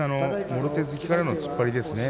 もろ手突きからの突っ張りですね。